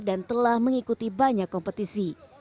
dan telah mengikuti banyak kompetisi